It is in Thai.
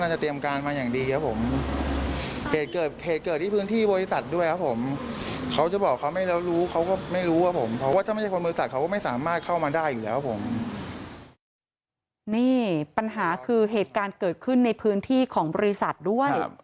เหตุการณ์เกิดขึ้นในพื้นที่ของบริษัทด้วย